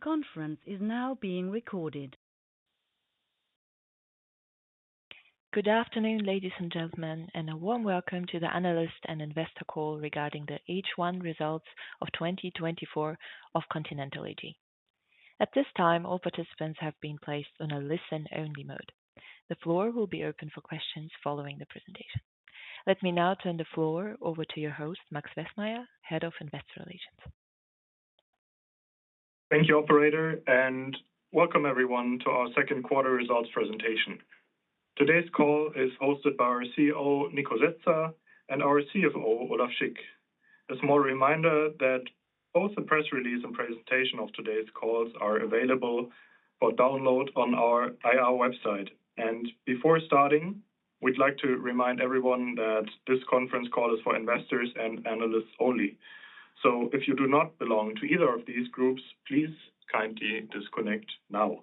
The conference is now being recorded. Good afternoon, ladies and gentlemen, and a warm welcome to the analyst and investor call regarding the H1 Results of 2024 of Continental AG. At this time, all participants have been placed on a listen-only mode. The floor will be open for questions following the presentation. Let me now turn the floor over to your host, Max Westmeyer, Head of Investor Relations. Thank you, Operator, and welcome everyone to our second quarter results presentation. Today's call is hosted by our CEO, Niko Setzer, and our CFO, Olaf Schick. A small reminder that both the press release and presentation of today's calls are available for download on our IR website. Before starting, we'd like to remind everyone that this conference call is for investors and analysts only. If you do not belong to either of these groups, please kindly disconnect now.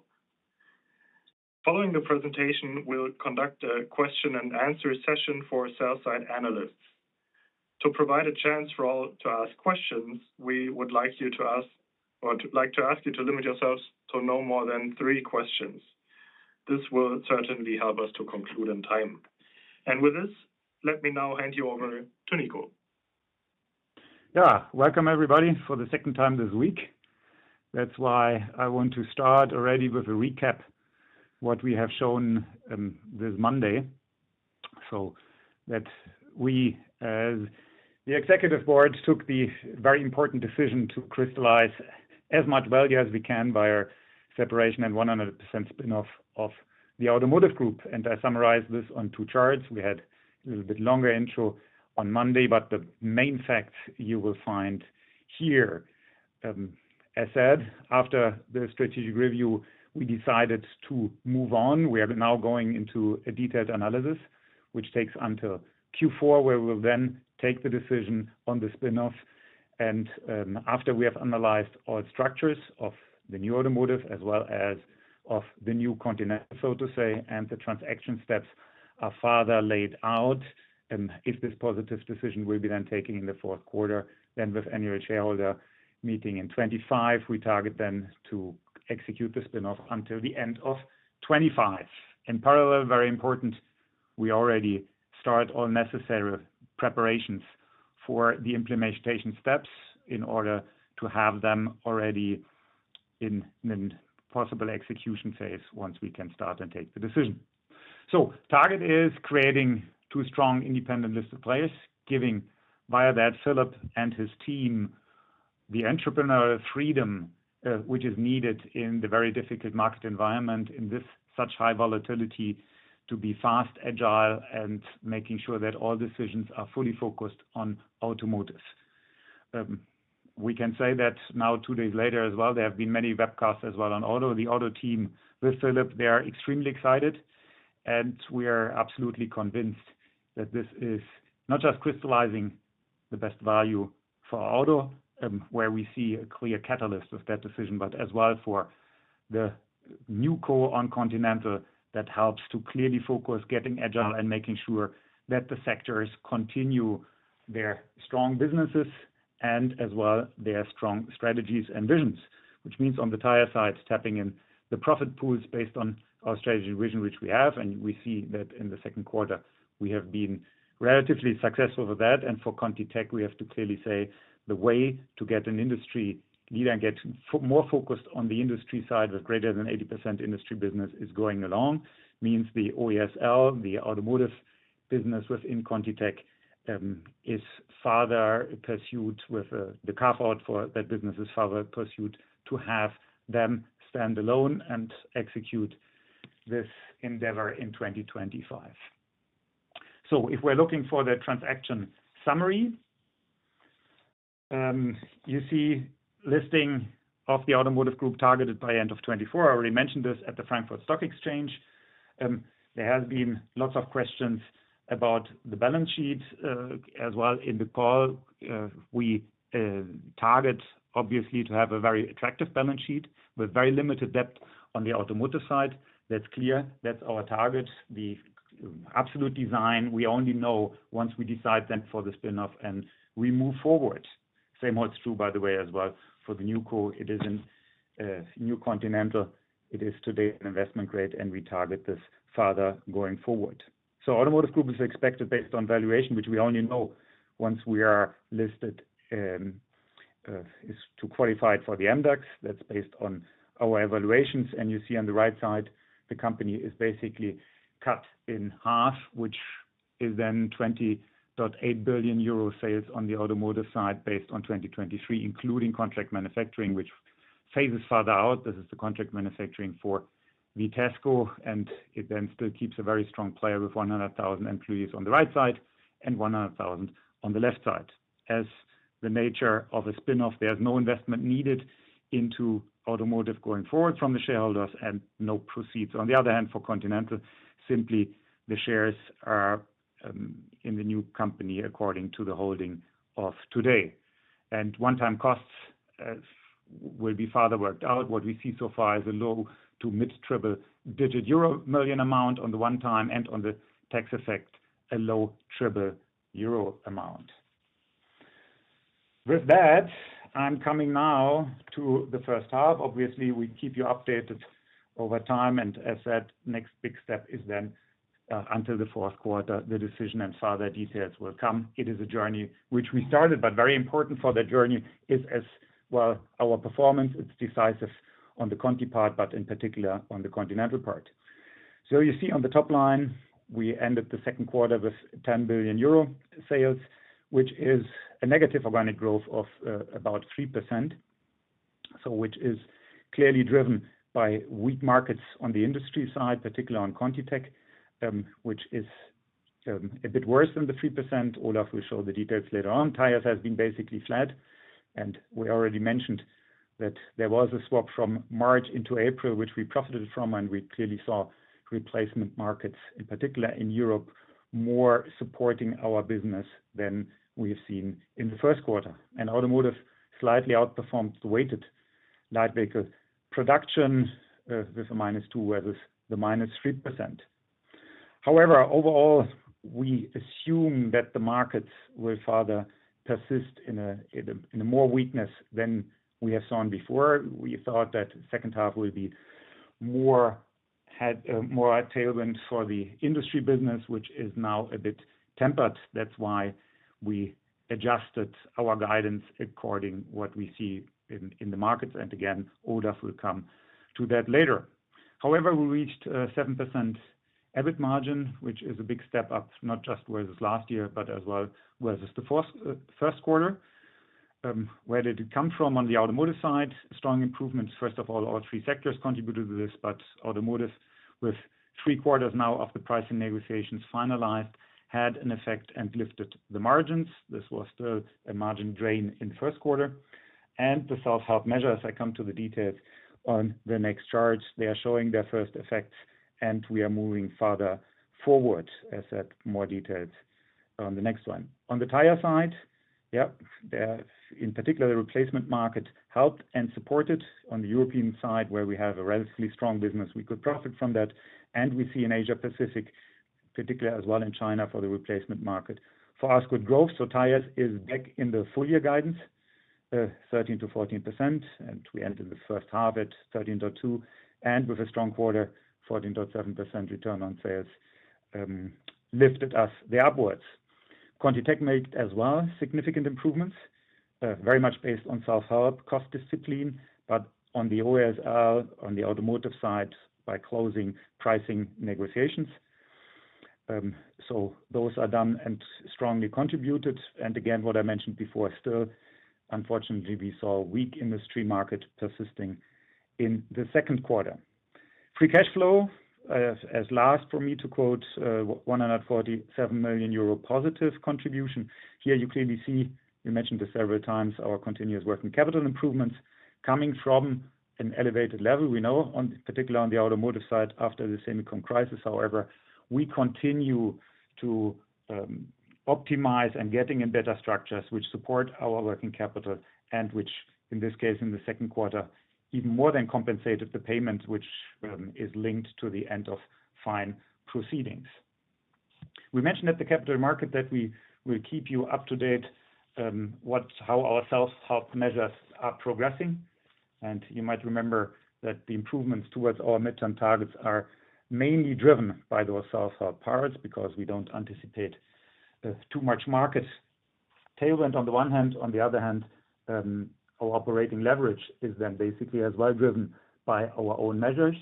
Following the presentation, we'll conduct a question-and-answer session for sell-side analysts. To provide a chance for all to ask questions, we would like you to ask or like to ask you to limit yourselves to no more than three questions. This will certainly help us to conclude in time. With this, let me now hand you over to Niko. Yeah, welcome everybody for the second time this week. That's why I want to start already with a recap of what we have shown this Monday. So that we, as the executive board, took the very important decision to crystallize as much value as we can via separation and 100% spin-off of the Automotive Group. And I summarized this on two charts. We had a little bit longer intro on Monday, but the main facts you will find here. As said, after the strategic review, we decided to move on. We are now going into a detailed analysis, which takes until Q4, where we'll then take the decision on the spin-off. And after we have analyzed all structures of the new Automotive as well as of the new Continental, so to say, and the transaction steps are further laid out. If this positive decision will be then taken in the fourth quarter, then with annual shareholder meeting in 2025, we target then to execute the spin-off until the end of 2025. In parallel, very important, we already start all necessary preparations for the implementation steps in order to have them already in a possible execution phase once we can start and take the decision. So target is creating two strong independent listed players, giving via that Philipp and his team the entrepreneurial freedom which is needed in the very difficult market environment in this such high volatility to be fast, agile, and making sure that all decisions are fully focused on automotive. We can say that now, two days later as well, there have been many webcasts as well on auto. The auto team with Philipp, they are extremely excited, and we are absolutely convinced that this is not just crystallizing the best value for auto, where we see a clear catalyst of that decision, but as well for the new core on Continental that helps to clearly focus getting agile and making sure that the sectors continue their strong businesses and as well their strong strategies and visions, which means on the tire side, tapping in the profit pools based on our strategy vision, which we have. We see that in the second quarter, we have been relatively successful with that. And for ContiTech, we have to clearly say the way to get an industry leader and get more focused on the industry side with greater than 80% industry business is going along. Means the OESL, the automotive business within ContiTech, is further pursued with the carve-out for that business is further pursued to have them stand alone and execute this endeavor in 2025. So if we're looking for the transaction summary, you see listing of the Automotive Group targeted by end of 2024. I already mentioned this at the Frankfurt Stock Exchange. There has been lots of questions about the balance sheet as well in the call. We target, obviously, to have a very attractive balance sheet with very limited debt on the automotive side. That's clear. That's our target, the absolute design. We only know once we decide then for the spin-off and we move forward. Same holds true, by the way, as well for the new core. It isn't new Continental. It is today an investment grade, and we target this further going forward. So Automotive Group is expected based on valuation, which we only know once we are listed is to qualify it for the MDAX. That's based on our evaluations. And you see on the right side, the company is basically cut in half, which is then 20.8 billion euro sales on the Automotive side based on 2023, including contract manufacturing, which phases further out. This is the contract manufacturing for Vitesco, and it then still keeps a very strong player with 100,000 employees on the right side and 100,000 on the left side. As the nature of a spin-off, there's no investment needed into Automotive going forward from the shareholders and no proceeds. On the other hand, for Continental, simply the shares are in the new company according to the holding of today. One-time costs will be further worked out. What we see so far is a low- to mid-triple-digit euro million amount on the one-time and on the tax effect, a low-triple-digit EUR amount. With that, I'm coming now to the first half. Obviously, we keep you updated over time. As said, next big step is then until the fourth quarter, the decision and further details will come. It is a journey which we started, but very important for the journey is as well our performance. It's decisive on the Conti part, but in particular on the Continental part. So you see on the top line, we ended the second quarter with 10 billion euro sales, which is a negative organic growth of about 3%, so which is clearly driven by weak markets on the industry side, particularly on ContiTech, which is a bit worse than the 3%. Olaf will show the details later on. Tires has been basically flat. And we already mentioned that there was a swap from March into April, which we profited from, and we clearly saw replacement markets, in particular in Europe, more supporting our business than we have seen in the first quarter. And Automotive slightly outperformed the weighted light vehicle production with a minus 2% versus the minus 3%. However, overall, we assume that the markets will further persist in a more weakness than we have seen before. We thought that the second half will be more tailored for the industry business, which is now a bit tempered. That's why we adjusted our guidance according to what we see in the markets. And again, Olaf will come to that later. However, we reached a 7% EBIT margin, which is a big step up, not just versus last year, but as well versus the first quarter. Where did it come from on the automotive side? Strong improvements. First of all, all three sectors contributed to this, but automotive with three quarters now of the pricing negotiations finalized had an effect and lifted the margins. This was still a margin drain in the first quarter. And the self-help measures, I come to the details on the next chart. They are showing their first effects, and we are moving further forward as more details on the next one. On the tire side, yeah, in particular, the replacement market helped and supported on the European side, where we have a relatively strong business. We could profit from that. And we see in Asia-Pacific, particularly as well in China for the replacement market, for us, good growth. So tires is back in the full year guidance, 13%-14%. And we entered the first half at 13.2%. And with a strong quarter, 14.7% return on sales lifted us upwards. ContiTech made as well significant improvements, very much based on self-help cost discipline, but on the OESL, on the automotive side by closing pricing negotiations. So those are done and strongly contributed. And again, what I mentioned before, still, unfortunately, we saw weak industry market persisting in the second quarter. Free cash flow, as last for me to quote, 147 million euro positive contribution. Here you clearly see, you mentioned this several times, our continuous working capital improvements coming from an elevated level. We know, particularly on the automotive side after the Silicon Crisis. However, we continue to optimize and get in better structures which support our working capital and which, in this case, in the second quarter, even more than compensated the payment, which is linked to the end of fine proceedings. We mentioned at the capital market that we will keep you up to date how our self-help measures are progressing. You might remember that the improvements towards our midterm targets are mainly driven by those self-help parts because we don't anticipate too much market tailoring on the one hand. On the other hand, our operating leverage is then basically as well driven by our own measures.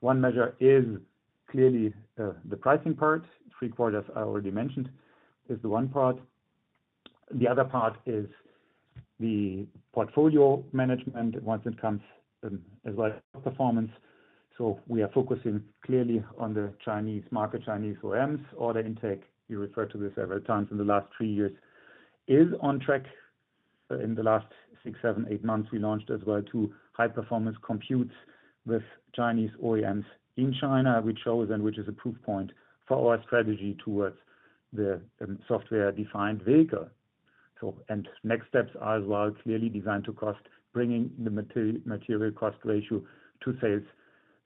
One measure is clearly the pricing part. 3 quarters I already mentioned is the one part. The other part is the portfolio management once it comes as well as performance. So we are focusing clearly on the Chinese market, Chinese OEMs. Order intake, you referred to this several times in the last three years, is on track. In the last six, seven, eight months, we launched as well two high-performance computers with Chinese OEMs in China, which shows and which is a proof point for our strategy towards the software-defined vehicle. And next steps are as well clearly design-to-cost, bringing the material cost ratio to sales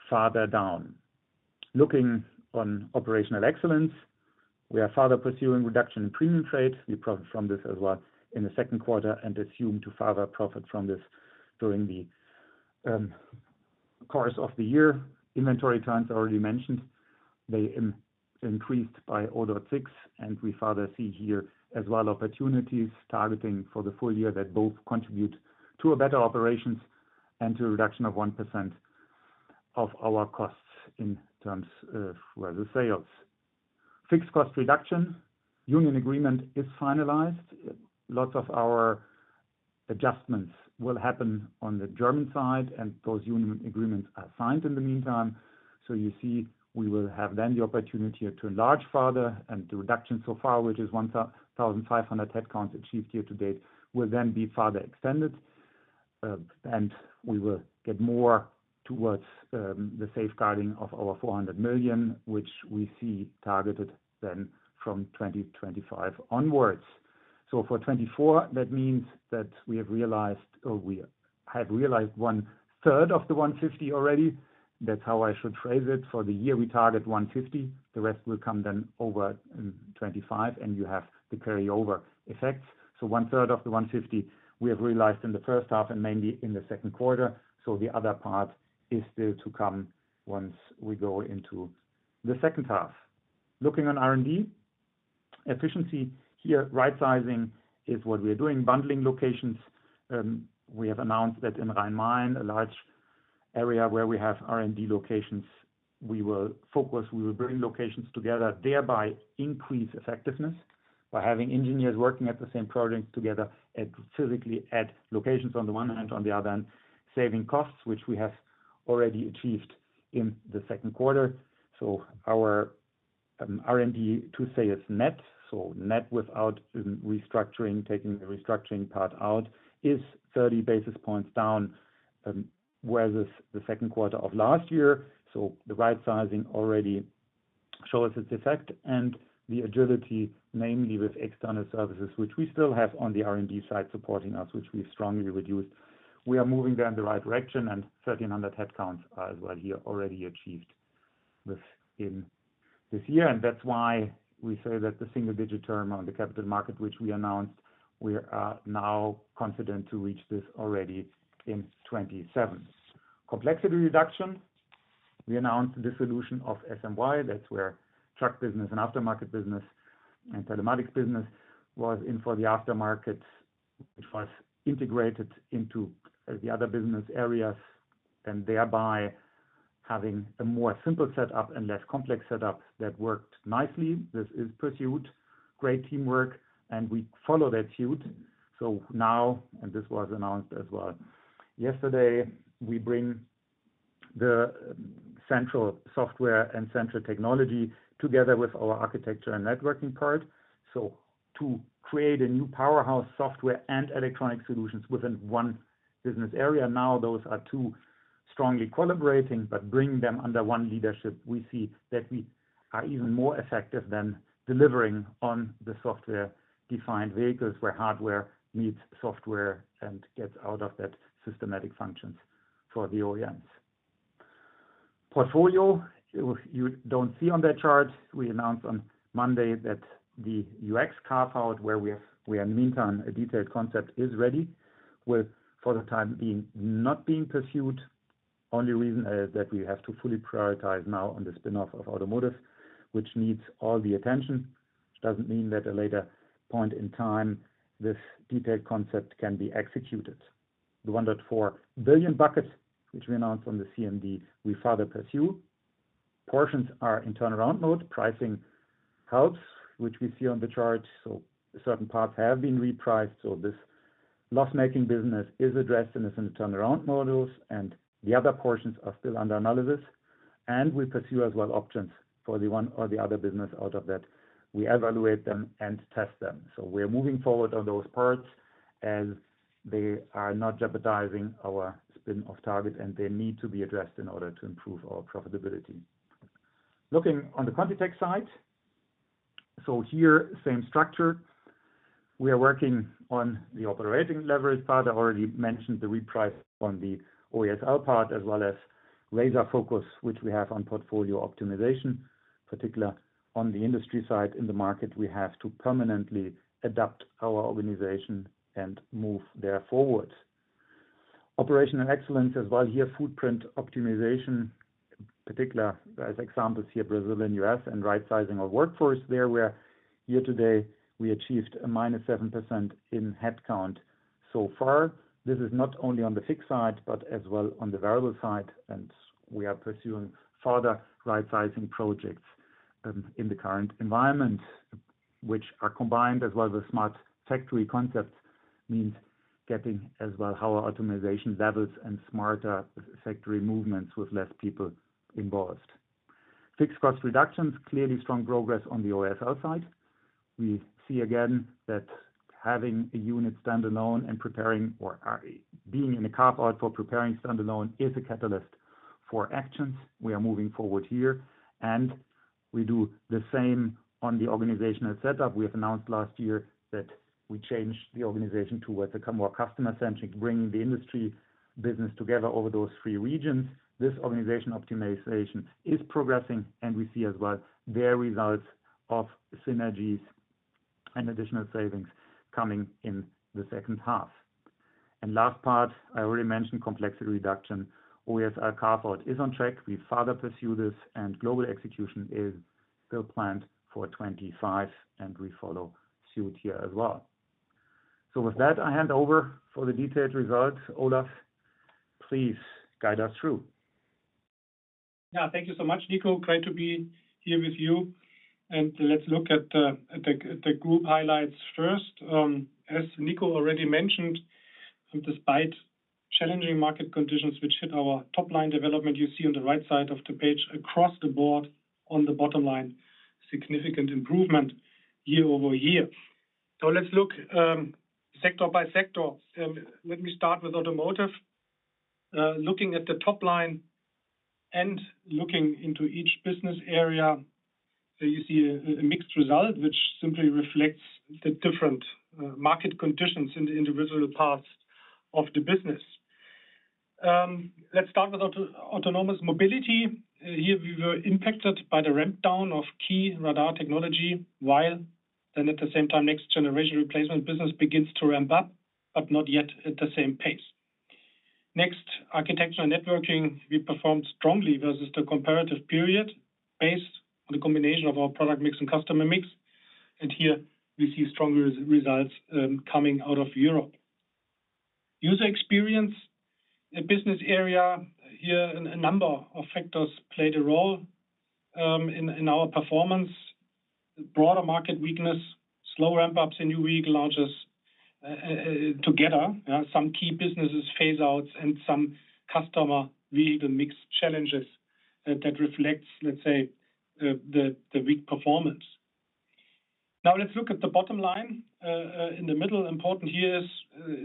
further down. Looking on operational excellence, we are further pursuing reduction in premium freights. We profit from this as well in the second quarter and assume to further profit from this during the course of the year. Inventory turns already mentioned, they increased by 0.6%, and we further see here as well opportunities targeting for the full year that both contribute to better operations and to a reduction of 1% of our costs in terms of sales. Fixed cost reduction union agreement is finalized. Lots of our adjustments will happen on the German side, and those union agreements are signed in the meantime. So you see we will have then the opportunity to enlarge further, and the reduction so far, which is 1,500 headcounts achieved year to date, will then be further extended. We will get more towards the safeguarding of our 400 million, which we see targeted then from 2025 onwards. So for 2024, that means that we have realized, or we have realized one-third of the 150 million already. That's how I should phrase it. For the year, we target 150 million. The rest will come then over in 2025, and you have the carryover effects. So one-third of the 150 we have realized in the first half and mainly in the second quarter. So the other part is still to come once we go into the second half. Looking on R&D efficiency here, right-sizing is what we are doing, bundling locations. We have announced that in Rhine-Main, a large area where we have R&D locations, we will focus, we will bring locations together, thereby increase effectiveness by having engineers working at the same projects together physically at locations on the one hand, on the other hand, saving costs, which we have already achieved in the second quarter. So our R&D-to-sales is net. So net without restructuring, taking the restructuring part out is 30 basis points down versus the second quarter of last year. So the right-sizing already shows its effect. The agility, mainly with external services, which we still have on the R&D side supporting us, which we've strongly reduced, we are moving down the right direction. 1,300 headcounts are as well here already achieved within this year. That's why we say that the single-digit term on the capital market, which we announced, we are now confident to reach this already in 2027. Complexity reduction, we announced the dissolution of SMY. That's where truck business and aftermarket business and telematics business was in for the aftermarket, which was integrated into the other business areas and thereby having a more simple setup and less complex setup that worked nicely. This is pursued great teamwork, and we follow that suit. So now, and this was announced as well yesterday, we bring the central software and central technology together with our architecture and networking part. So to create a new powerhouse software and electronic solutions within one business area, now those are two strongly collaborating, but bringing them under one leadership, we see that we are even more effective than delivering on the software-defined vehicles where hardware meets software and gets out of that systematic functions for the OEMs. Portfolio, you don't see on that chart. We announced on Monday that the UX cockpit, where we have in the meantime a detailed concept, is ready, with further timeline not being pursued. Only reason is that we have to fully prioritize now on the spin-off of Automotive, which needs all the attention. Doesn't mean that at a later point in time, this detailed concept can be executed. The 1.4 billion bucket, which we announced on the CMD, we further pursue. Portions are in turnaround mode. Pricing helps, which we see on the chart. So certain parts have been repriced. So this loss-making business is addressed in the turnaround models, and the other portions are still under analysis. We pursue as well options for the one or the other business out of that. We evaluate them and test them. So we're moving forward on those parts as they are not jeopardizing our spin-off target, and they need to be addressed in order to improve our profitability. Looking on the ContiTech side, so here, same structure. We are working on the operating leverage part. I already mentioned the reprice on the OESL part as well as laser focus, which we have on portfolio optimization, particularly on the industry side in the market. We have to permanently adapt our organization and move there forward. Operational excellence as well here, footprint optimization, particular as examples here, Brazil and US, and right-sizing of workforce there, where year-to-date, we achieved a -7% in headcount so far. This is not only on the fixed side, but as well on the variable side. We are pursuing further right-sizing projects in the current environment, which are combined as well with smart factory concepts, means getting as well our optimization levels and smarter factory movements with less people involved. Fixed cost reductions, clearly strong progress on the OESL side. We see again that having a unit standalone and preparing or being in a carve-out for preparing standalone is a catalyst for actions. We are moving forward here. We do the same on the organizational setup. We have announced last year that we changed the organization towards a more customer-centric, bringing the industry business together over those three regions. This organization optimization is progressing, and we see as well their results of synergies and additional savings coming in the second half. Last part, I already mentioned complexity reduction. OESL carve-out is on track. We further pursue this, and global execution is the plan for 2025, and we follow suit here as well. With that, I hand over for the detailed results. Olaf, please guide us through. Yeah, thank you so much, Niko. Great to be here with you. Let's look at the group highlights first. As Niko already mentioned, despite challenging market conditions, which hit our top-line development, you see on the right side of the page across the board on the bottom line, significant improvement year-over-year. So let's look sector by sector. Let me start with Automotive. Looking at the top line and looking into each business area, you see a mixed result, which simply reflects the different market conditions in the individual parts of the business. Let's start with Autonomous Mobility. Here, we were impacted by the ramp-down of key radar technology, while then at the same time, next-generation replacement business begins to ramp up, but not yet at the same pace. Next, Architecture Networking, we performed strongly versus the comparative period based on the combination of our product mix and customer mix. And here, we see strong results coming out of Europe. User Experience, a business area here, a number of factors played a role in our performance. Broader market weakness, slow ramp-ups in new vehicle launches together. Some key businesses, phase-outs, and some customer vehicle mix challenges that reflects, let's say, the weak performance. Now, let's look at the bottom line. In the middle, important here is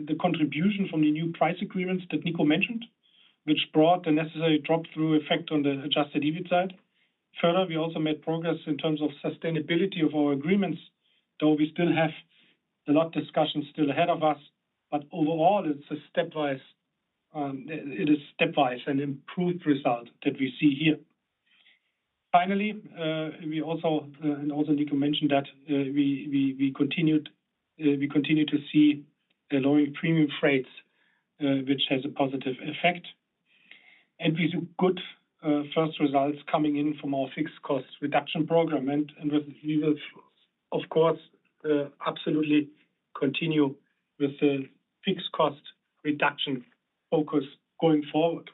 the contribution from the new price agreements that Niko mentioned, which brought the necessary drop-through effect on the adjusted EBIT side. Further, we also made progress in terms of sustainability of our agreements, though we still have a lot of discussions still ahead of us. But overall, it's a stepwise and improved result that we see here. Finally, we also, and also Niko mentioned that we continue to see lowering premium freights, which has a positive effect. And we see good first results coming in from our fixed cost reduction program. And we will, of course, absolutely continue with the fixed cost reduction focus going forward.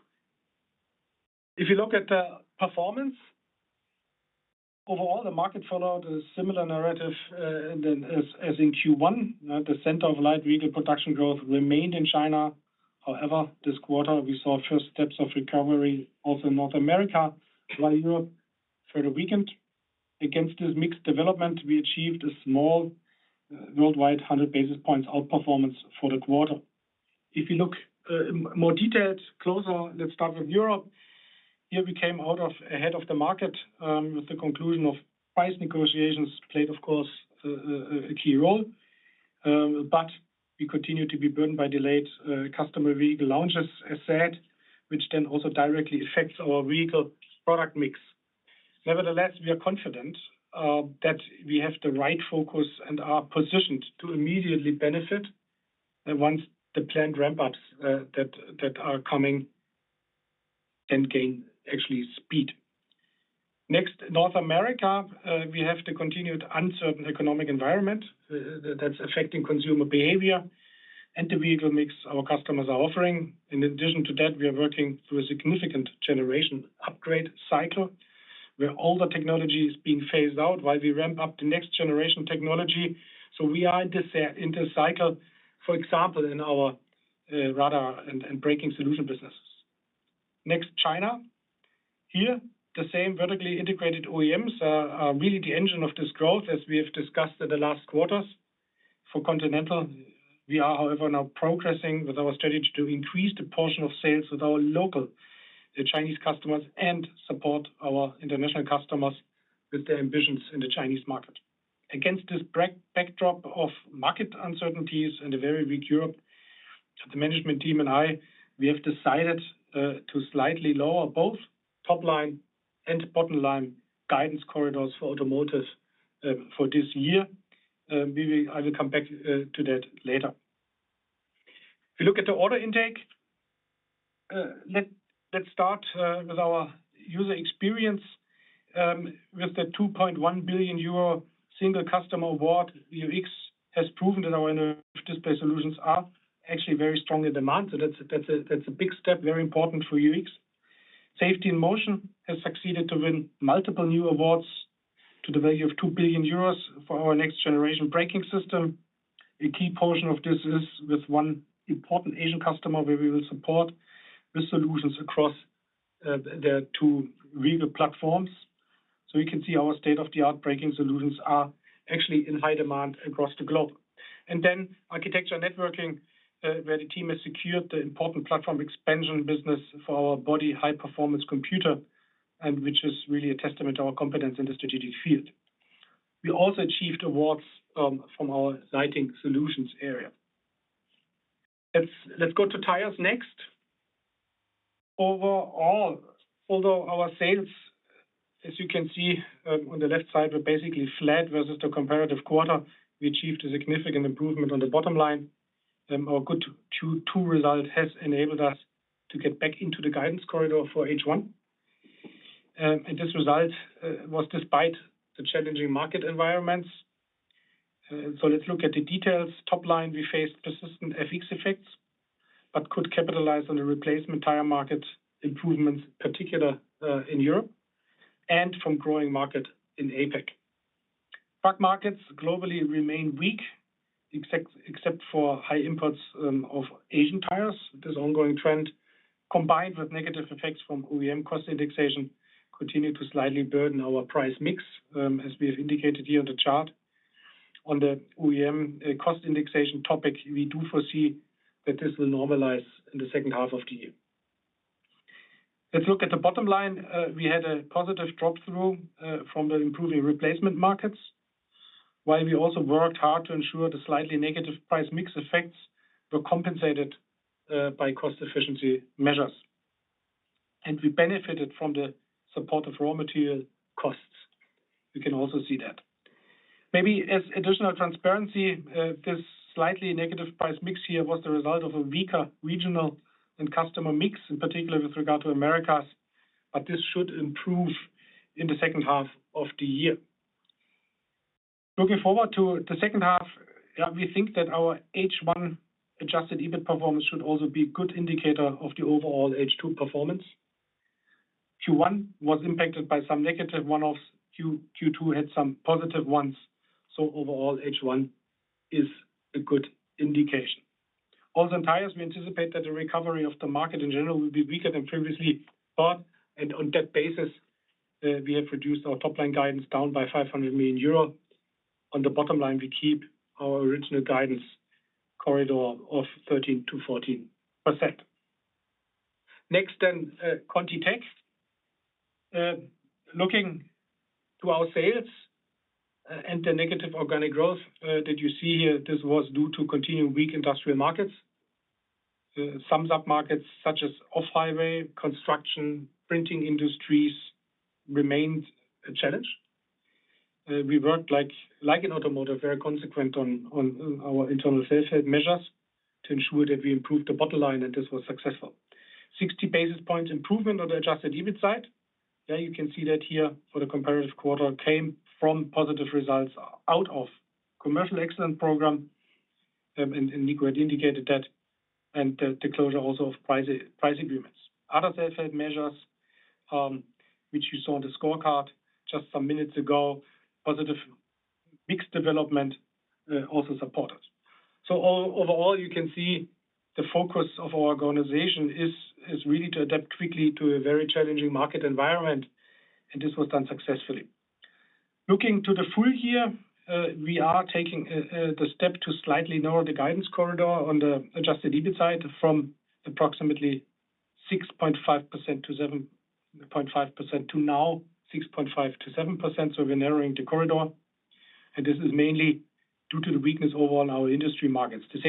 If you look at the performance, overall, the market followed a similar narrative as in Q1. The center of light vehicle production growth remained in China. However, this quarter, we saw first steps of recovery also in North America, while Europe further weakened. Against this mixed development, we achieved a small worldwide 100 basis points outperformance for the quarter. If you look more detailed closer, let's start with Europe. Here, we came out ahead of the market with the conclusion of price negotiations, played, of course, a key role. But we continue to be burdened by delayed customer vehicle launches, as said, which then also directly affects our vehicle product mix. Nevertheless, we are confident that we have the right focus and are positioned to immediately benefit once the planned ramp-ups that are coming and gain actually speed. Next, North America, we have the continued uncertain economic environment that's affecting consumer behavior and the vehicle mix our customers are offering. In addition to that, we are working through a significant generation upgrade cycle where all the technology is being phased out while we ramp up the next generation technology. So we are in this cycle, for example, in our radar and braking solution businesses. Next, China. Here, the same vertically integrated OEMs are really the engine of this growth, as we have discussed in the last quarters. For Continental, we are, however, now progressing with our strategy to increase the portion of sales with our local Chinese customers and support our international customers with their ambitions in the Chinese market. Against this backdrop of market uncertainties and a very weak Europe, the management team and I, we have decided to slightly lower both top-line and bottom-line guidance corridors for Automotive for this year. I will come back to that later. If you look at the order intake, let's start with our User Experience. With the 2.1 billion euro single customer award, UX has proven that our display solutions are actually very strong in demand. So that's a big step, very important for UX. Safety and Motion has succeeded to win multiple new awards to the value of 2 billion euros for our next-generation braking system. A key portion of this is with one important Asian customer where we will support the solutions across the two vehicle platforms. So you can see our state-of-the-art braking solutions are actually in high demand across the globe. Then architecture networking, where the team has secured the important platform expansion business for our body high-performance computer, which is really a testament to our competence in the strategic field. We also achieved awards from our lighting solutions area. Let's go to tires next. Overall, although our sales, as you can see on the left side, were basically flat versus the comparative quarter, we achieved a significant improvement on the bottom line. Our Q2 result has enabled us to get back into the guidance corridor for H1. And this result was despite the challenging market environments. So let's look at the details. Top line, we faced persistent FX effects, but could capitalize on the replacement tire market improvements, particularly in Europe and from growing market in APAC. Truck markets globally remain weak, except for high imports of Asian tires. This ongoing trend, combined with negative effects from OEM cost indexation, continues to slightly burden our price mix, as we have indicated here on the chart. On the OEM cost indexation topic, we do foresee that this will normalize in the second half of the year. Let's look at the bottom line. We had a positive drop-through from the improving replacement markets, while we also worked hard to ensure the slightly negative price mix effects were compensated by cost-efficiency measures. We benefited from the support of raw material costs. You can also see that. Maybe as additional transparency, this slightly negative price mix here was the result of a weaker regional and customer mix, in particular with regard to Americas. This should improve in the second half of the year. Looking forward to the second half, we think that our H1 adjusted EBIT performance should also be a good indicator of the overall H2 performance. Q1 was impacted by some negative one-offs. Q2 had some positive ones. So overall, H1 is a good indication. Also in tires, we anticipate that the recovery of the market in general will be weaker than previously thought. And on that basis, we have reduced our top-line guidance down by 500 million euro. On the bottom line, we keep our original guidance corridor of 13%-14%. Next then, ContiTech. Looking to our sales and the negative organic growth that you see here, this was due to continuing weak industrial markets. Tough markets such as off-highway, construction, printing industries remained a challenge. We worked, like in automotive, very consequent on our internal safety measures to ensure that we improved the bottom line, and this was successful. 60 basis points improvement on the adjusted EBIT side. Yeah, you can see that here for the comparative quarter came from positive results out of commercial excellence program, and Niko had indicated that, and the closure also of price agreements. Other self-help measures, which you saw on the scorecard just some minutes ago, positive mixed development also supported. So overall, you can see the focus of our organization is really to adapt quickly to a very challenging market environment, and this was done successfully. Looking to the full year, we are taking the step to slightly narrow the guidance corridor on the adjusted EBIT side from approximately 6.5%-7.5% to now 6.5%-7%. So we're narrowing the corridor. This is mainly due to the weakness overall in our industry markets. The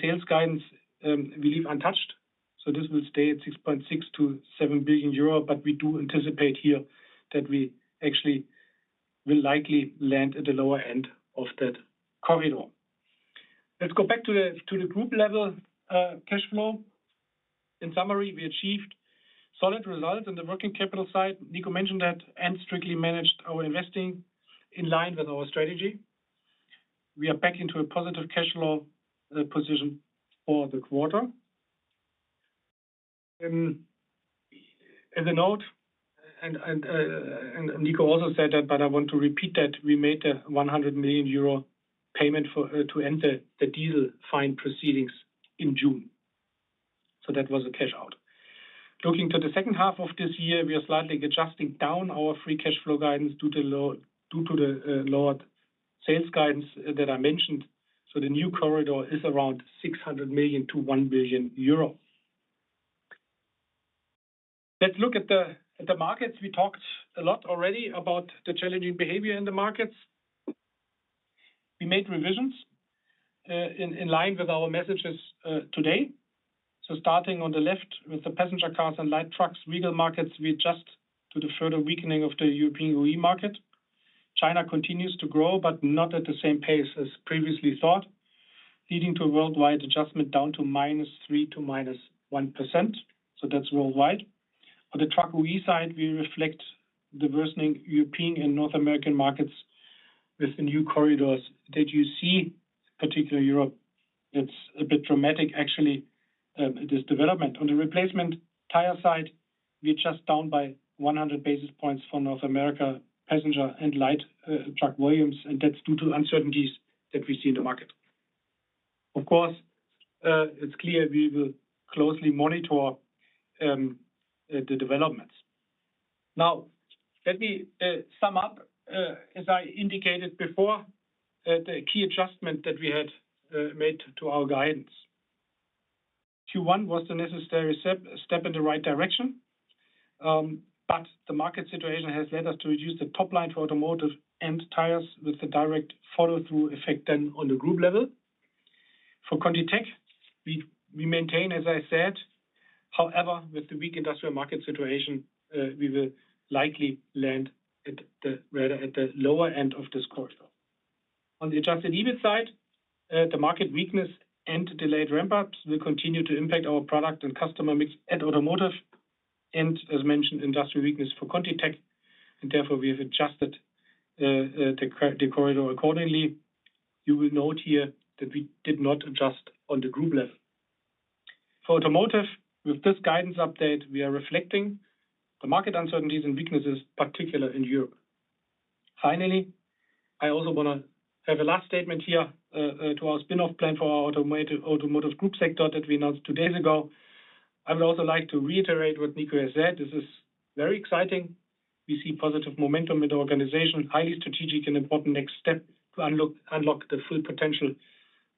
sales guidance, we leave untouched. This will stay at 6.6-7 billion euro. But we do anticipate here that we actually will likely land at the lower end of that corridor. Let's go back to the group level cash flow. In summary, we achieved solid results on the working capital side. Niko mentioned that and strictly managed our investing in line with our strategy. We are back into a positive cash flow position for the quarter. As a note, and Niko also said that, but I want to repeat that we made the €100 million payment to end the diesel fine proceedings in June. So that was a cash out. Looking to the second half of this year, we are slightly adjusting down our free cash flow guidance due to the lowered sales guidance that I mentioned. So the new corridor is around 600 million-1 billion euro. Let's look at the markets. We talked a lot already about the challenging behavior in the markets. We made revisions in line with our messages today. So starting on the left with the passenger cars and light trucks, vehicle markets we adjust to the further weakening of the European OE market. China continues to grow, but not at the same pace as previously thought, leading to a worldwide adjustment down to minus 3%-minus 1%. So that's worldwide. On the truck OE side, we reflect the worsening European and North American markets with the new corridors that you see, particularly Europe. It's a bit dramatic, actually, this development. On the replacement tire side, we're just down by 100 basis points for North America passenger and light truck volumes. That's due to uncertainties that we see in the market. Of course, it's clear we will closely monitor the developments. Now, let me sum up, as I indicated before, the key adjustment that we had made to our guidance. Q1 was the necessary step in the right direction. The market situation has led us to reduce the top line for Automotive and Tires with the direct follow-through effect then on the group level. For ContiTech, we maintain, as I said. However, with the weak industrial market situation, we will likely land at the lower end of this quarter. On the adjusted EBIT side, the market weakness and delayed ramp-ups will continue to impact our product and customer mix at Automotive and, as mentioned, industrial weakness for ContiTech. Therefore, we have adjusted the corridor accordingly. You will note here that we did not adjust on the group level. For Automotive, with this guidance update, we are reflecting the market uncertainties and weaknesses, particularly in Europe. Finally, I also want to have a last statement here to our spin-off plan for our Automotive Group sector that we announced two days ago. I would also like to reiterate what Niko has said. This is very exciting. We see positive momentum in the organization, highly strategic and important next step to unlock the full potential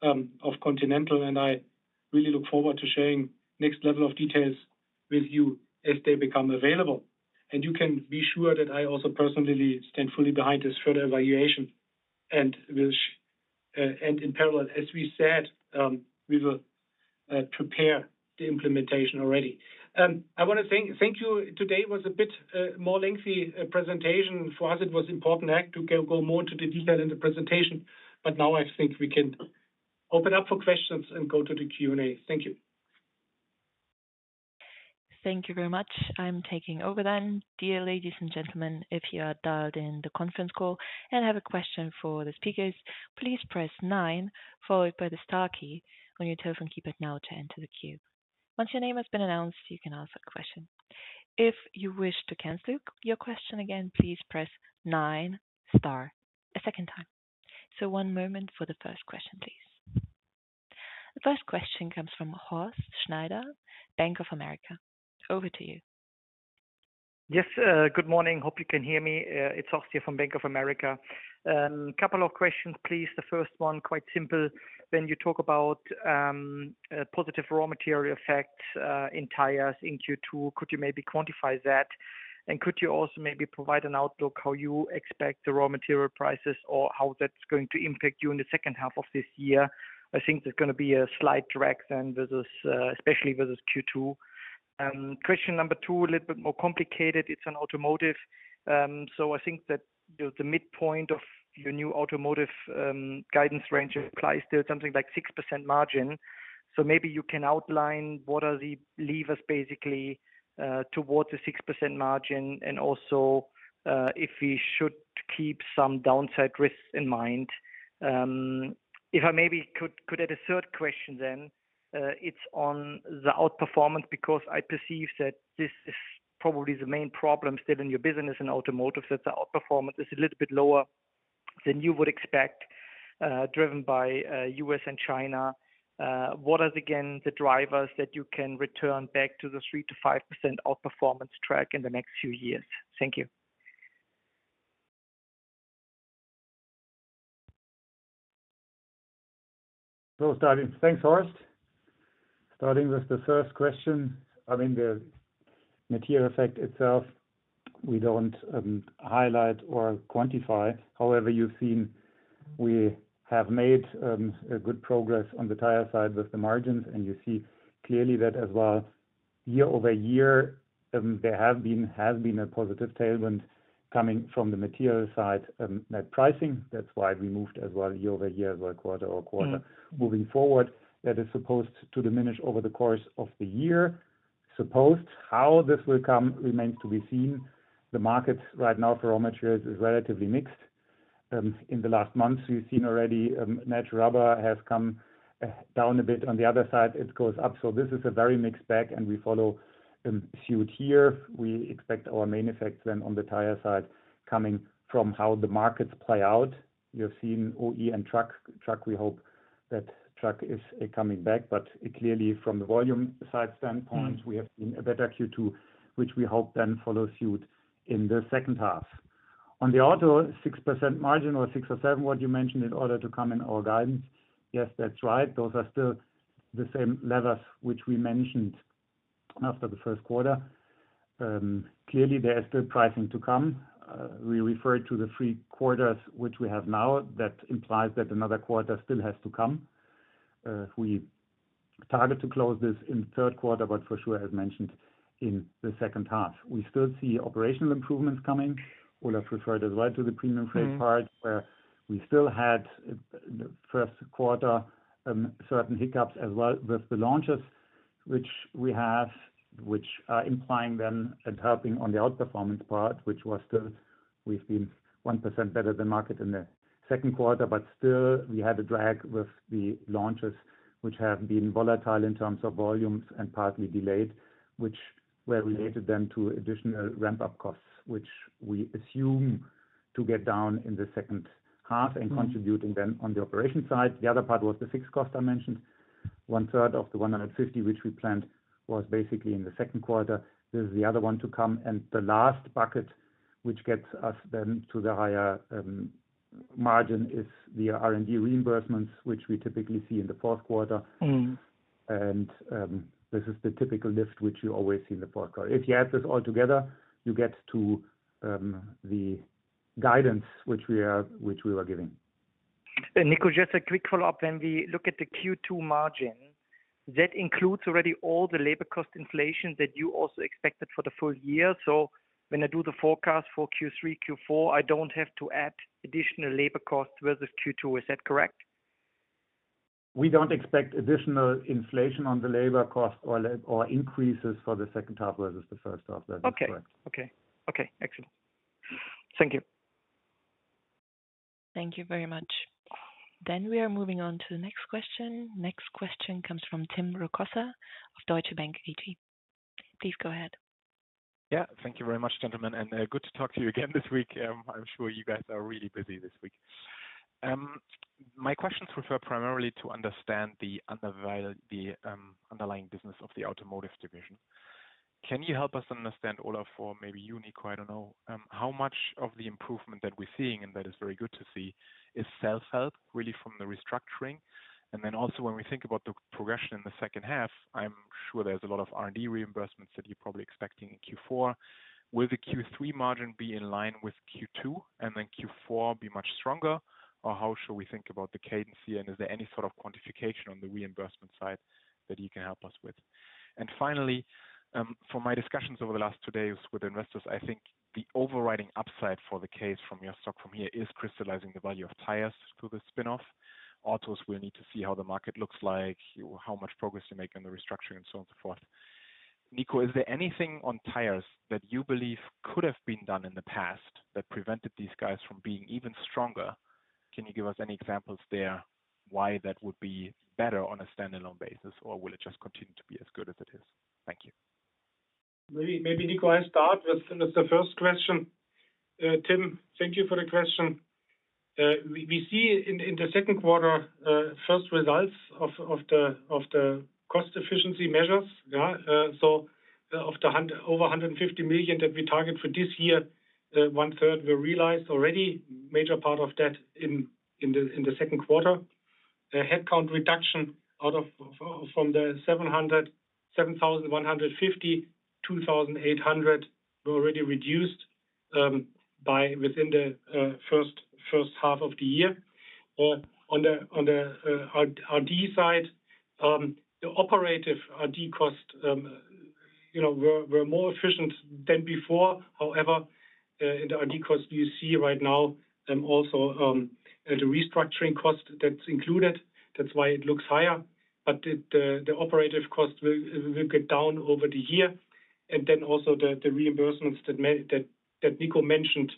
of Continental. And I really look forward to sharing the next level of details with you as they become available. You can be sure that I also personally stand fully behind this further evaluation. In parallel, as we said, we will prepare the implementation already. I want to thank you. Today was a bit more lengthy presentation. For us, it was important to go more into the detail in the presentation. But now I think we can open up for questions and go to the Q&A. Thank you. Thank you very much. I'm taking over then. Dear ladies and gentlemen, if you are dialed in the conference call and have a question for the speakers, please press nine, followed by the star key on your telephone keypad now to enter the queue. Once your name has been announced, you can ask a question. If you wish to cancel your question again, please press nine, star, a second time. One moment for the first question, please. The first question comes from Horst Schneider, Bank of America. Over to you. Yes, good morning. Hope you can hear me. It's Horst here from Bank of America. A couple of questions, please. The first one, quite simple. When you talk about positive raw material effects in Tires in Q2, could you maybe quantify that? And could you also maybe provide an outlook how you expect the raw material prices or how that's going to impact you in the second half of this year? I think there's going to be a slight drag then especially versus Q2. Question number two, a little bit more complicated. It's on Automotive. So I think that the midpoint of your new Automotive guidance range applies to something like 6% margin. So maybe you can outline what are the levers basically towards the 6% margin and also if we should keep some downside risks in mind. If I maybe could add a third question then, it's on the outperformance because I perceive that this is probably the main problem still in your business in automotive that the outperformance is a little bit lower than you would expect, driven by U.S. and China. What are, again, the drivers that you can return back to the 3%-5% outperformance track in the next few years? Thank you. Well, starting, thanks, Horst. Starting with the first question. I mean, the material effect itself, we don't highlight or quantify. However, you've seen we have made good progress on the tire side with the margins, and you see clearly that as well. Year-over-year, there has been a positive tailwind coming from the material side net pricing. That's why we moved as well year-over-year by quarter or quarter moving forward. That is supposed to diminish over the course of the year. Supposed how this will come remains to be seen. The markets right now for raw materials is relatively mixed. In the last months, you've seen already net rubber has come down a bit. On the other side, it goes up. So this is a very mixed bag, and we follow suit here. We expect our main effect then on the tire side coming from how the markets play out. You've seen OE and truck. Truck, we hope that truck is coming back. But clearly, from the volume side standpoint, we have seen a better Q2, which we hope then follows suit in the second half. On the auto, 6% margin or 6% or 7%, what you mentioned in order to come in our guidance. Yes, that's right. Those are still the same levers which we mentioned after the first quarter. Clearly, there is still pricing to come. We refer to the three quarters which we have now. That implies that another quarter still has to come. We target to close this in the third quarter, but for sure, as mentioned, in the second half. We still see operational improvements coming. Olaf referred as well to the premium freight part, where we still had the first quarter certain hiccups as well with the launches, which we have, which are implying then and helping on the outperformance part, which was still we've been 1% better than market in the second quarter. But still, we had a drag with the launches, which have been volatile in terms of volumes and partly delayed, which were related then to additional ramp-up costs, which we assume to get down in the second half and contributing then on the operation side. The other part was the fixed cost I mentioned. One-third of the 150, which we planned, was basically in the second quarter. This is the other one to come. The last bucket, which gets us then to the higher margin, is the R&D reimbursements, which we typically see in the fourth quarter. This is the typical lift which you always see in the fourth quarter. If you add this all together, you get to the guidance which we were giving. Niko, just a quick follow-up. When we look at the Q2 margin, that includes already all the labor cost inflation that you also expected for the full year. So when I do the forecast for Q3, Q4, I don't have to add additional labor costs versus Q2. Is that correct? We don't expect additional inflation on the labor cost or increases for the second half versus the first half. That is correct. Okay. Okay. Okay. Excellent. Thank you. Thank you very much. Then we are moving on to the next question. Next question comes from Tim Rokossa of Deutsche Bank AG. Please go ahead. Yeah. Thank you very much, gentlemen. And good to talk to you again this week. I'm sure you guys are really busy this week. My questions refer primarily to understand the underlying business of the automotive division. Can you help us understand, Olaf, or maybe you, Niko? I don't know. How much of the improvement that we're seeing, and that is very good to see, is self-help really from the restructuring? And then also, when we think about the progression in the second half, I'm sure there's a lot of R&D reimbursements that you're probably expecting in Q4. Will the Q3 margin be in line with Q2 and then Q4 be much stronger? Or how should we think about the cadence? And is there any sort of quantification on the reimbursement side that you can help us with? And finally, from my discussions over the last two days with investors, I think the overriding upside for the case from your stock from here is crystallizing the value of tires through the spin-off. Autos will need to see how the market looks like, how much progress you make on the restructuring, and so on and so forth. Niko, is there anything on tires that you believe could have been done in the past that prevented these guys from being even stronger? Can you give us any examples there why that would be better on a standalone basis, or will it just continue to be as good as it is? Thank you. Maybe Niko I start with the first question. Tim, thank you for the question. We see in the second quarter first results of the cost efficiency measures. So of the over 150 million that we target for this year, one-third were realized already. Major part of that in the second quarter. Headcount reduction out of the 7,150, 2,800 were already reduced within the first half of the year. On the R&D side, the operative R&D costs were more efficient than before. However, in the R&D cost, you see right now also the restructuring cost that's included. That's why it looks higher. But the operative cost will get down over the year. And then also the reimbursements that Niko mentioned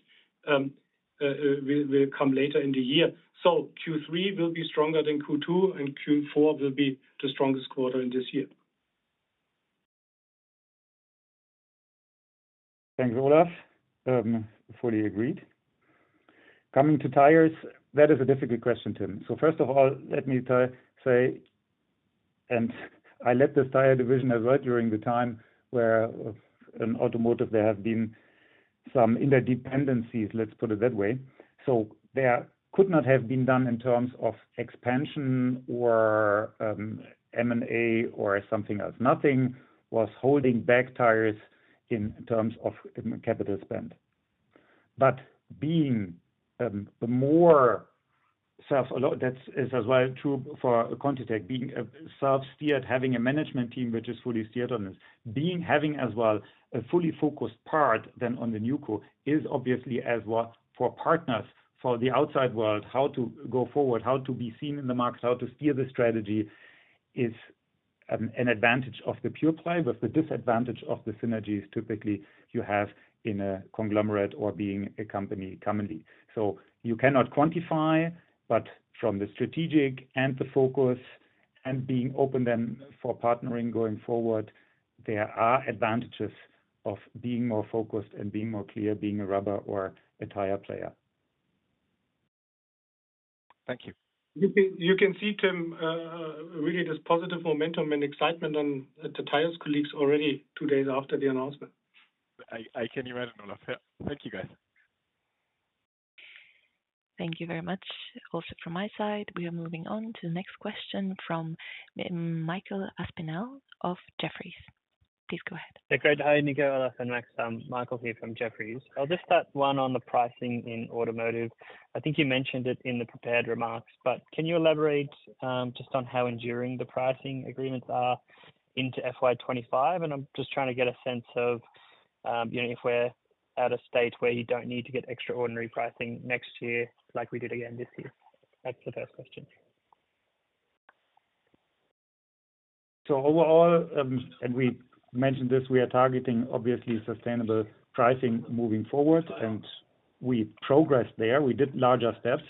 will come later in the year. So Q3 will be stronger than Q2, and Q4 will be the strongest quarter in this year. Thanks, Olaf. Fully agreed. Coming to tires, that is a difficult question, Tim. So first of all, let me say, and I led this tire division as well during the time where in automotive there have been some interdependencies, let's put it that way. So there could not have been done in terms of expansion or M&A or something else. Nothing was holding back tires in terms of capital spend. But being the more self, that is as well true for ContiTech, being self-steered, having a management team which is fully steered on this, having as well a fully focused part then on the new crew is obviously as well for partners for the outside world, how to go forward, how to be seen in the market, how to steer the strategy is an advantage of the pure play with the disadvantage of the synergies typically you have in a conglomerate or being a company commonly. So you cannot quantify, but from the strategic and the focus and being open then for partnering going forward, there are advantages of being more focused and being more clear, being a rubber or a tire player. Thank you. You can see, Tim, really this positive momentum and excitement on the Tires colleagues already two days after the announcement. I can imagine, Olaf. Thank you, guys. Thank you very much. Also from my side, we are moving on to the next question from Michael Aspinall of Jefferies. Please go ahead. Yeah, great. Hi, Niko, Olaf, and Max. I'm Michael here from Jefferies. I'll just start one on the pricing in Automotive. I think you mentioned it in the prepared remarks, but can you elaborate just on how enduring the pricing agreements are into FY25? And I'm just trying to get a sense of if we're at a state where you don't need to get extraordinary pricing next year like we did again this year. That's the first question. So overall, and we mentioned this, we are targeting obviously sustainable pricing moving forward, and we progressed there. We did larger steps.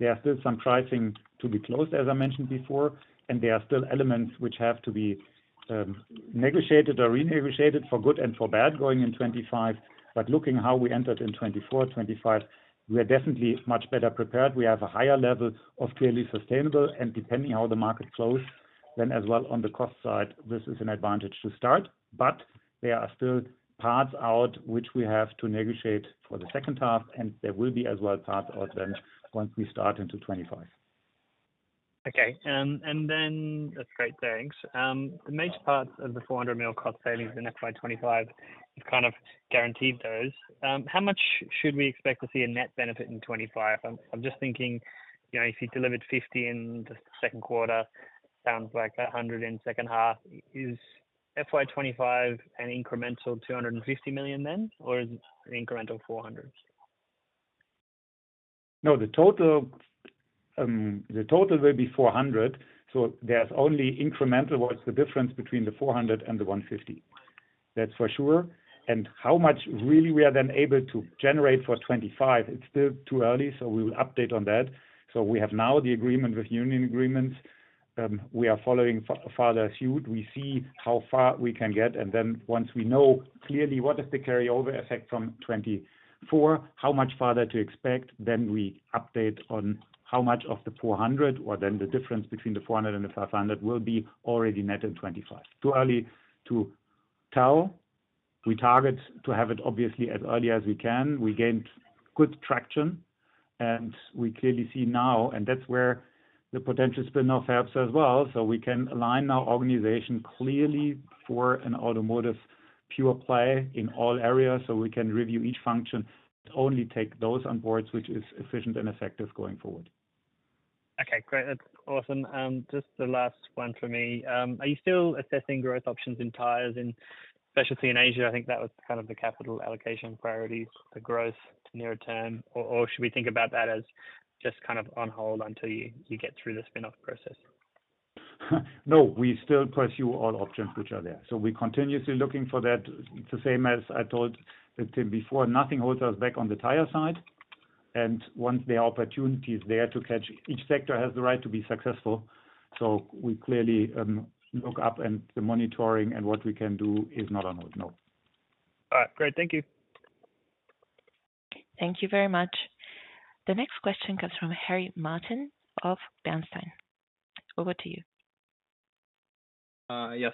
There are still some pricing to be closed, as I mentioned before, and there are still elements which have to be negotiated or renegotiated for good and for bad going into 2025. But looking how we entered in 2024, 2025, we are definitely much better prepared. We have a higher level of clearly sustainable, and depending how the market closes, then as well on the cost side, this is an advantage to start. But there are still parts out which we have to negotiate for the second half, and there will be as well parts out then once we start into 2025. Okay. And then, that's great. Thanks. The major parts of the 400 million cost savings in FY 2025 have kind of guaranteed those. How much should we expect to see a net benefit in 2025? I'm just thinking if you delivered 50 million in the second quarter, sounds like 100 million in second half. Is FY 2025 an incremental 250 million then, or is it an incremental 400 million? No, the total will be 400 million. So there's only incremental what's the difference between the 400 million and the 150 million. That's for sure. And how much really we are then able to generate for 2025, it's still too early, so we will update on that. So we have now the agreement with union agreements. We are following suit. We see how far we can get. And then once we know clearly what is the carryover effect from 2024, how much farther to expect, then we update on how much of the 400 million or then the difference between the 400 million and the 500 million will be already net in 2025. Too early to tell. We target to have it obviously as early as we can. We gained good traction, and we clearly see now, and that's where the potential spin-off helps as well. So we can align our organization clearly for an Automotive pure play in all areas. So we can review each function and only take those on boards which is efficient and effective going forward. Okay. Great. That's awesome. Just the last one for me. Are you still assessing growth options in Tires in specialty in Asia? I think that was kind of the capital allocation priorities, the growth near term. Or should we think about that as just kind of on hold until you get through the spin-off process? No, we still pursue all options which are there. So we're continuously looking for that. It's the same as I told Tim before. Nothing holds us back on the Tire side. Once the opportunity is there to catch, each sector has the right to be successful. So we clearly look up and the monitoring and what we can do is not on hold. No. All right. Great. Thank you. Thank you very much. The next question comes from Harry Martin of Bernstein. Over to you. Yes.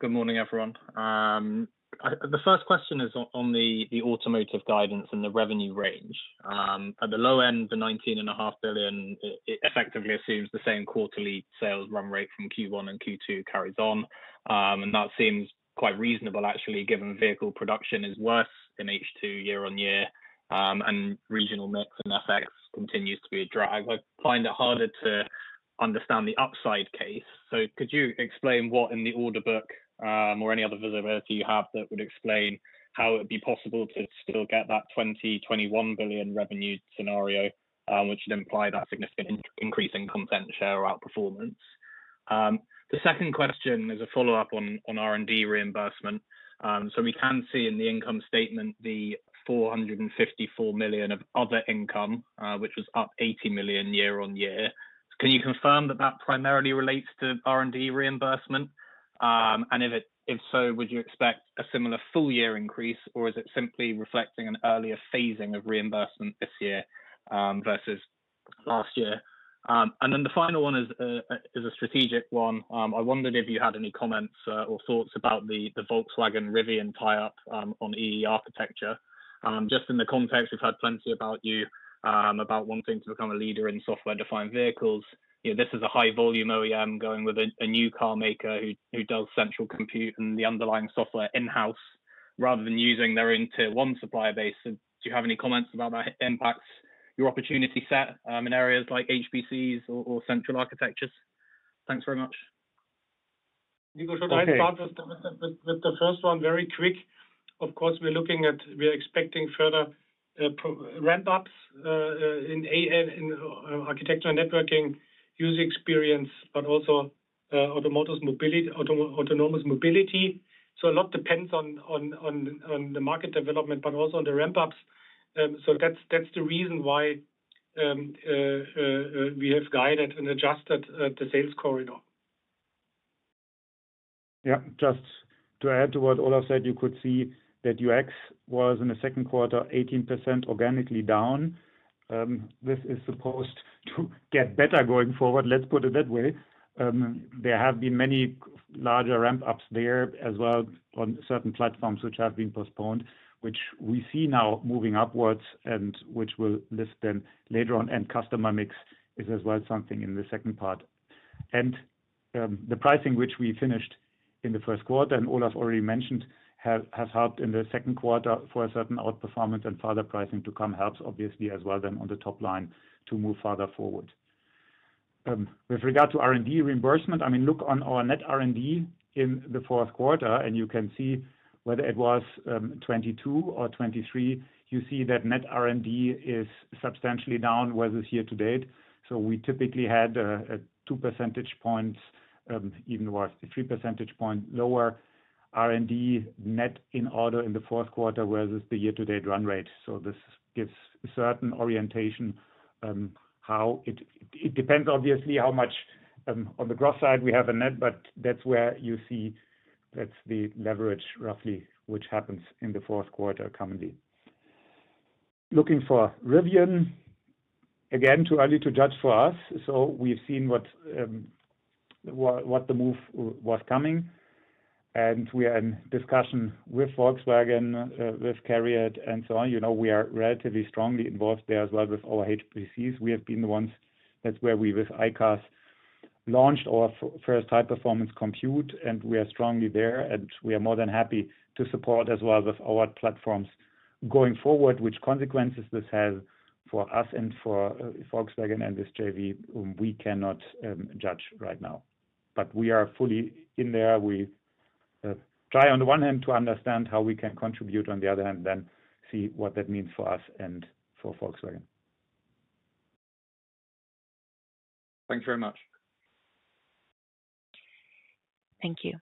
Good morning, everyone. The first question is on the automotive guidance and the revenue range. At the low end, the 19.5 billion, it effectively assumes the same quarterly sales run rate from Q1 and Q2 carries on. And that seems quite reasonable, actually, given vehicle production is worse in H2 year-over-year, and regional mix and FX continues to be a drag. I find it harder to understand the upside case. So could you explain what in the order book or any other visibility you have that would explain how it would be possible to still get that 20-21 billion revenue scenario, which would imply that significant increase in content share or outperformance? The second question is a follow-up on R&D reimbursement. So we can see in the income statement the 454 million of other income, which was up 80 million year-over-year. Can you confirm that that primarily relates to R&D reimbursement? And if so, would you expect a similar full-year increase, or is it simply reflecting an earlier phasing of reimbursement this year versus last year? And then the final one is a strategic one. I wondered if you had any comments or thoughts about the Volkswagen Rivian tie-up on E/E architecture. Just in the context, we've heard plenty about you about wanting to become a leader in software-defined vehicles. This is a high-volume OEM going with a new car maker who does central compute and the underlying software in-house rather than using their own tier-one supplier base. Do you have any comments about that impacts your opportunity set in areas like HPCs or central architectures? Thanks very much. Niko, should I start with the first one very quick? Of course, we're expecting further ramp-ups in Architecture and Networking, User Experience, but also Autonomous Mobility. So a lot depends on the market development, but also on the ramp-ups. So that's the reason why we have guided and adjusted the sales corridor. Yeah. Just to add to what Olaf said, you could see that UX was in the second quarter 18% organically down. This is supposed to get better going forward, let's put it that way. There have been many larger ramp-ups there as well on certain platforms which have been postponed, which we see now moving upwards and which will lift them later on. Customer mix is as well something in the second part. The pricing, which we finished in the first quarter and Olaf already mentioned, has helped in the second quarter for a certain outperformance and farther pricing to come helps obviously as well then on the top line to move farther forward. With regard to R&D reimbursement, I mean, look on our net R&D in the fourth quarter, and you can see whether it was 2022 or 2023. You see that net R&D is substantially down versus year to date. So we typically had a two percentage points, even worse, a three percentage point lower R&D net in order in the fourth quarter versus the year-to-date run rate. So this gives a certain orientation how it depends obviously how much on the growth side we have a net, but that's where you see that's the leverage roughly which happens in the fourth quarter commonly. Looking for Rivian, again, too early to judge for us. So we've seen what the move was coming. And we are in discussion with Volkswagen, with CARIAD, and so on. We are relatively strongly involved there as well with our HPCs. We have been the ones that's where we with ICAS launched our first high-performance compute, and we are strongly there, and we are more than happy to support as well with our platforms going forward, which consequences this has for us and for Volkswagen and this JV, we cannot judge right now. But we are fully in there. We try on the one hand to understand how we can contribute on the other hand, then see what that means for us and for Volkswagen. Thanks very much. Thank you.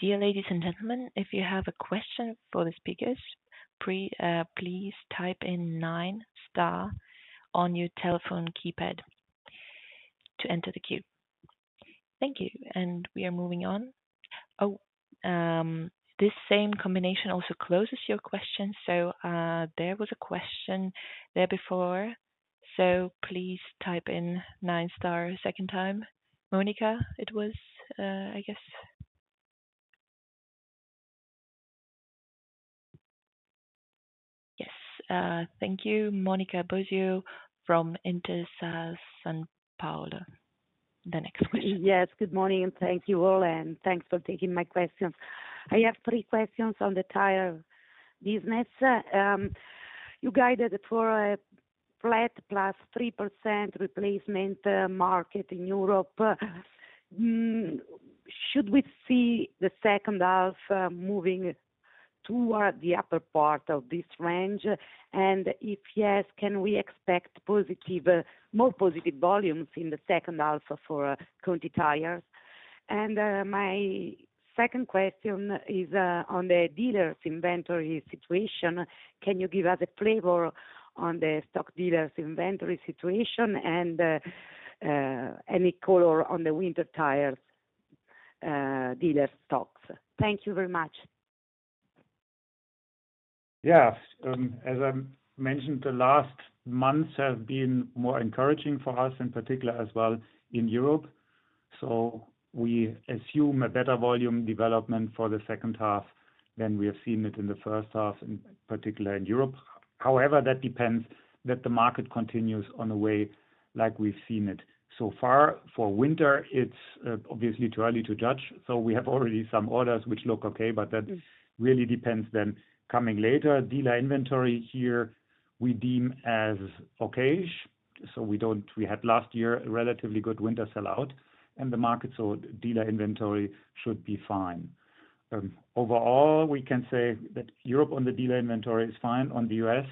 Dear ladies and gentlemen, if you have a question for the speakers, please type in nine star on your telephone keypad to enter the queue. Thank you. We are moving on. Oh, this same combination also closes your question. So there was a question there before. So please type in nine star second time. Monica, it was, I guess. Yes. Thank you. Monica Bosio from Intesa Sanpaolo. The next question. Yes. Good morning and thank you all, and thanks for taking my questions. I have three questions on the tire business. You guided for a flat +3% replacement market in Europe. Should we see the second half moving toward the upper part of this range? And if yes, can we expect more positive volumes in the second half for Conti Tires? And my second question is on the dealer's inventory situation. Can you give us a flavor on the stock dealer's inventory situation and any color on the winter tires dealer stocks? Thank you very much. Yes. As I mentioned, the last months have been more encouraging for us in particular as well in Europe. So we assume a better volume development for the second half than we have seen it in the first half, in particular in Europe. However, that depends that the market continues on the way like we've seen it so far. For winter, it's obviously too early to judge. So we have already some orders which look okay, but that really depends then coming later. Dealer inventory here we deem as okay. So we had last year a relatively good winter sellout, and the market saw dealer inventory should be fine. Overall, we can say that Europe on the dealer inventory is fine. On the U.S.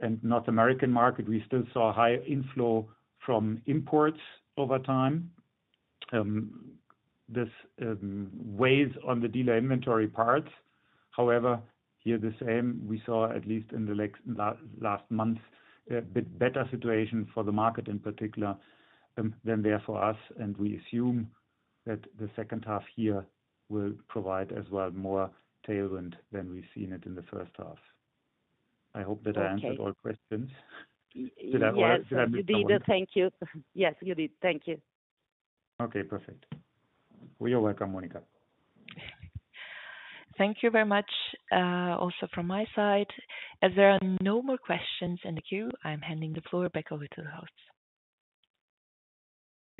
and North American market, we still saw high inflow from imports over time. This weighs on the dealer inventory parts. However, here the same, we saw at least in the last months a bit better situation for the market in particular than there for us. And we assume that the second half here will provide as well more tailwind than we've seen it in the first half. I hope that I answered all questions. Did I answer? Yes, thank you. Yes, you did. Thank you. Okay, perfect. You're welcome, Monica. Thank you very much also from my side. As there are no more questions in the queue, I'm handing the floor back over to the host.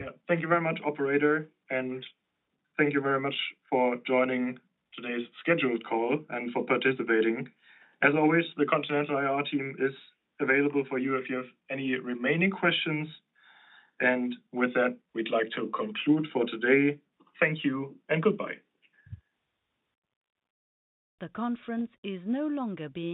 Yeah. Thank you very much, operator. And thank you very much for joining today's scheduled call and for participating. As always, the Continental IR team is available for you if you have any remaining questions. And with that, we'd like to conclude for today. Thank you and goodbye. The conference is no longer.